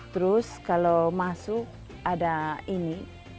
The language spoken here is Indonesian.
terus kalau masuk ada ini